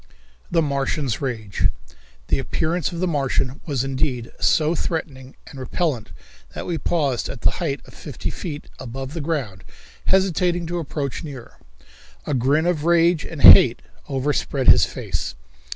The Martian's Rage. The appearance of the Martian was indeed so threatening and repellent that we paused at the height of fifty feet above the ground, hesitating to approach nearer. A grin of rage and hate overspread his face.